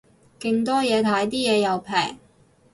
勁多嘢睇，啲嘢又平